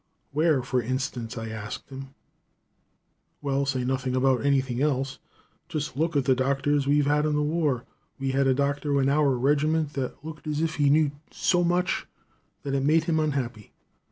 "Where, for instance?" I asked him. "Well, say nothing about anything else, just look at the doctors we had in the war. We had a doctor in our regiment that looked as if he knew so much that it made him unhappy.